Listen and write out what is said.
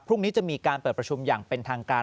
พรุ่งนี้จะมีการเปิดประชุมอย่างเป็นทางการ